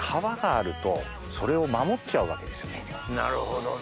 なるほどね。